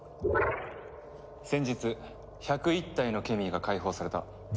先日１０１体のケミーが解放された。